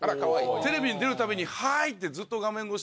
テレビに出るたびに「はい！」って画面越しで。